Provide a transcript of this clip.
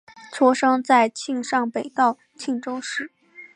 出生在庆尚北道庆州市。